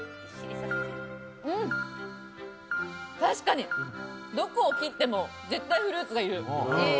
確かに、どこを切っても絶対フルーツがいる。